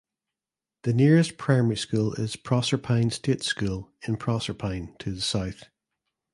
The nearest primary school is Proserpine State School in Proserpine to the south.